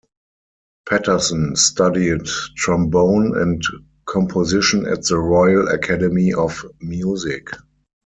Patterson studied trombone and composition at the Royal Academy of Music.